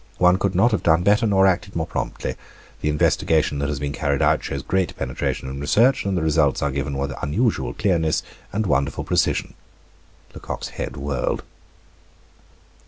One could not have done better nor acted more promptly. The investigation that has been carried out shows great penetration and research, and the results are given with unusual clearness, and wonderful precision." Lecoq's head whirled.